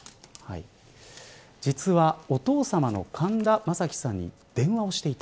実は、お父さまの神田正輝さんに電話をしていた。